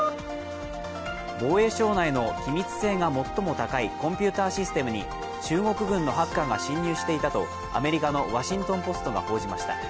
防衛省内の機密性が最も高いコンピューターシステムに中国軍のハッカーが侵入していたとアメリカの「ワシントン・ポスト」が報じました。